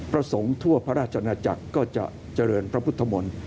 ประสงค์ทั่วพระราชนาจักรก็จะเจริญพระพุทธมนตร์